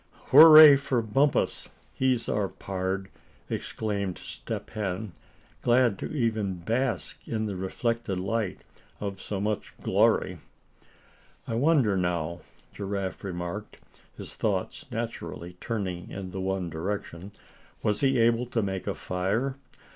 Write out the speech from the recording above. "Hurrah for Bumpus! He's our pard;" exclaimed Step Hen, glad to even bask in the reflected light of so much glory. "I wonder, now," Giraffe remarked, his thoughts naturally turning in the one direction, "was he able to make a fire?